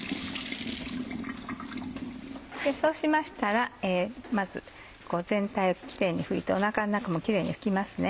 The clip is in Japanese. そうしましたらまず全体をキレイに拭いてお腹の中もキレイに拭きます。